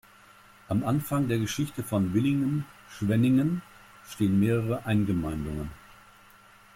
Am Anfang der Geschichte von Villingen-Schwenningen stehen mehrere Eingemeindungen.